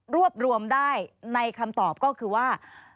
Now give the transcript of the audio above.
รวบรวมได้ในคำตอบก็คือว่า